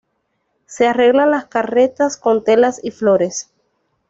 Se arreglan las carretas con telas y flores.